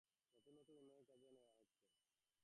নতুন নতুন উন্নয়নকাজ হাতে নেওয়া হচ্ছে।